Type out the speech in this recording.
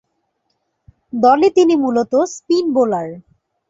দলে তিনি মূলতঃ স্পিন বোলার।